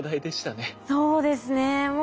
そうですね。